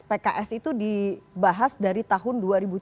pks itu dibahas dari tahun dua ribu tujuh belas